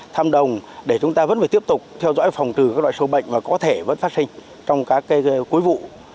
thăm đồng để chúng ta vẫn phải tiếp tục theo dõi phòng trừ các loại sâu bệnh và có thể vẫn phát sinh trong các cuối vụ